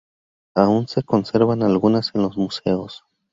Aún se conservan algunas en los museos.